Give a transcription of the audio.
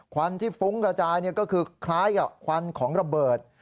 วันที่ฟุ้งกระจายก็คือคล้ายกับควันของระเบิด